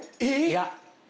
いや。